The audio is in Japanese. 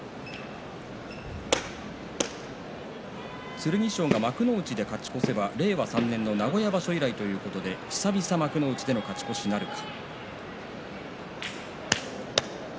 剣翔が幕内で勝ち越せば令和３年名古屋場所以来ということで久々の幕内での勝ち越しなるか。